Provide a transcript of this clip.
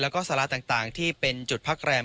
แล้วก็สาราต่างที่เป็นจุดพักแรม